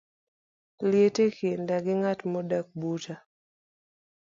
liet e kinda gi ng'at modak buta